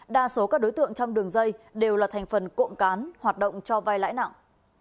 đa số các đối tượng trong đường dây đều là thành phần cộng cán hoạt động cho vai lãi nặng